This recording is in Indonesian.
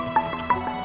gak ada pesan